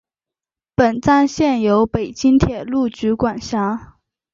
本站现由北京铁路局管辖。